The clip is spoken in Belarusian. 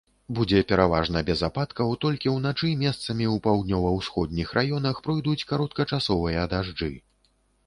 Будзе пераважна без ападкаў, толькі ўначы месцамі ў паўднёва-ўсходніх раёнах пройдуць кароткачасовыя дажджы.